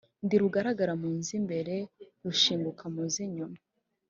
ndi rugaragara mu z'imbere, rushinguka mu z'inyuma,